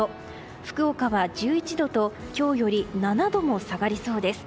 福岡は１１度と今日より７度も下がりそうです。